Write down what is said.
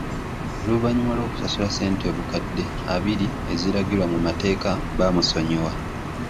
Oluvannyuma lw'okusasula ssente obukadde abiri eziragirwa mu mateeka bamusonyiwa.